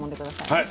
はい。